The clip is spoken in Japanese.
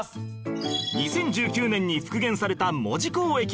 ２０１９年に復元された門司港駅